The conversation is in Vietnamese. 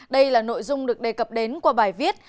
đây là nội dung được đề cập đến qua bài viết